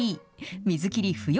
水切り不要！